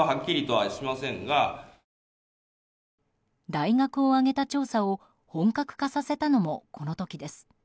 大学を挙げた調査を本格化させたのもこの時です。